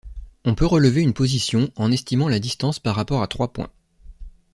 On peut relever une position en estimant la distance par rapport à trois points.